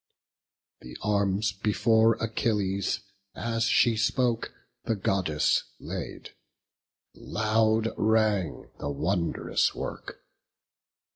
The arms before Achilles, as she spoke, The Goddess laid; loud rang the wondrous work.